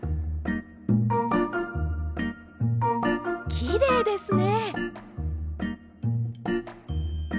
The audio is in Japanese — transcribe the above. きれいですね！